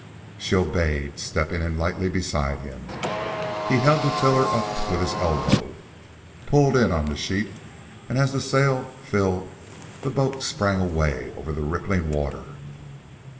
She obeyed, stepping in lightly beside him. He held the tiller up with his elbow, pulled in on the sheet, and as the sail filled the boat sprang away over the rippling water.